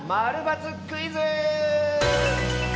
○×クイズ」！